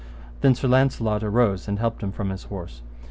Then Sir Launcelot arose and helped him from his horse.